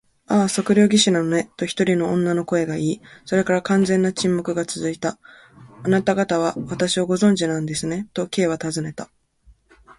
「ああ、測量技師なのね」と、一人の女の声がいい、それから完全な沈黙がつづいた。「あなたがたは私をご存じなんですね？」と、Ｋ はたずねた。